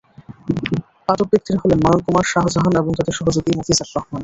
আটক ব্যক্তিরা হলেন নয়ন কুমার, শাহজাহান এবং তাঁদের সহযোগী মফিজার রহমান।